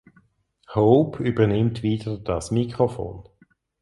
Hope übernimmt wieder das Mikrofon.